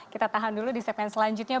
kita tahan dulu di segmen selanjutnya